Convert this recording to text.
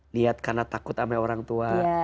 lihat karena takut sama orang tua